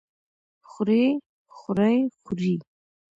خوري خورۍ خورې؟